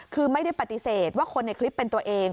คือไม่ได้ปฏิเสธว่าคนในคลิปเป็นตัวเอง